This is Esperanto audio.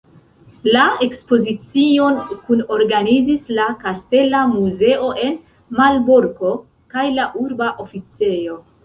La ekspozicion kunorganizis la Kastela Muzeo en Malborko kaj la Urba Oficejo.